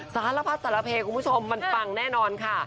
สารพัดสารเพคุณผู้ชมมันปังแน่นอนค่ะ